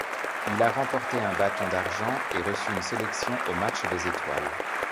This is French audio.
Il a remporté un Bâton d'argent et reçu une sélection au match des étoiles.